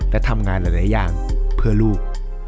และทำงานหลายอย่างเพื่อลูก